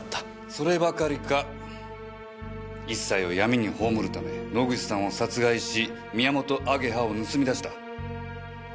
そればかりか一切を闇に葬るため野口さんを殺害しミヤモトアゲハを盗み出した。